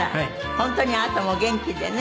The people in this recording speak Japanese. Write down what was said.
本当にあなたもお元気でね。